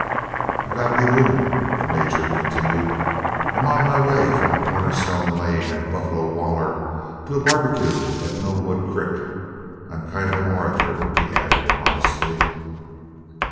"I've got to be movin'," the Major continued. "I'm on my way from a cornerstone layin' at Buffalo Waller to a barbecue at No Wood Crick. I'm kind of an orator," he added modestly.